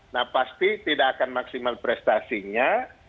nah pasti tidak akan maksimal prestasinya